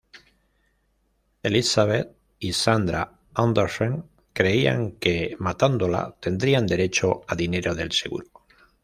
Elizabeth y Sandra Andersen creían que matándola, tendrían derecho a dinero del seguro.